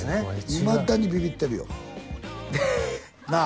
いまだにビビってるよなあ